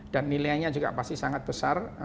dan nilainya juga pasti sangat besar